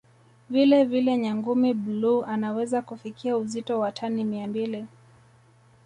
Vile vile Nyangumi bluu anaweza kufikia uzito wa tani mia mbili